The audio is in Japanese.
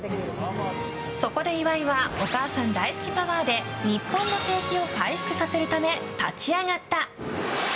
そこで岩井はお母さん大好きパワーで日本の景気を回復させるため立ち上がった。